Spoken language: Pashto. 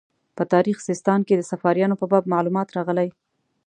په تاریخ سیستان کې د صفاریانو په باب معلومات راغلي.